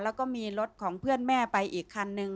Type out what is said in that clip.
แล้วก็มีรถของเพื่อนแม่ไปอีกคันนึง